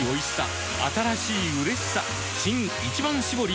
新「一番搾り」